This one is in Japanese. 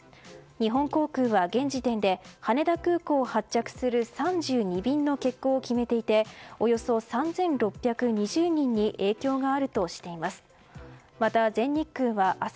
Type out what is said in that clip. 日本航空は現時点で羽田空港を発着する３２便の欠航を決めていておよそ３６２０人に影響があるとしています。